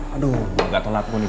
aduh gak telat kok nih